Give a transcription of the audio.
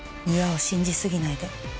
仁和を信じすぎないで。